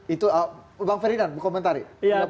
itu bang ferdinand berkomentari